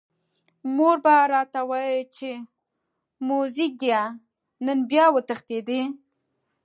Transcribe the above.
مور به راته ویل چې موزیګیه نن بیا وتښتېدې.